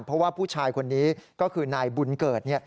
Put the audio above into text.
เพราะว่าผู้ชายคนนี้ก็คือนายบุญเกิด